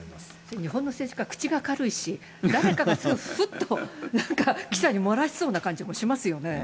日本の政治家は口が軽いし、誰かがすぐふっと、なんか記者に漏らしそうな感じもしますよね。